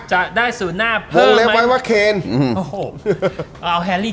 จะได้ศูนย์หน้าเพิ่มวงเล็บไว้ว่าเคนอืมโอ้โหเอาแฮรี่